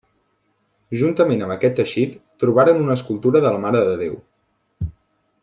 Juntament amb aquest teixit, trobaren una escultura de la Mare de Déu.